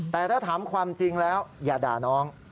แต่ถ้าถามความจริงแล้วอย่าด่าน้อง